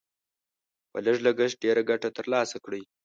په لږ لګښت ډېره ګټه تر لاسه کړئ.